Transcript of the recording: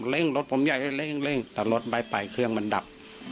เร่งรถผมอยากให้เร่งแต่รถไปเครื่องมันดับ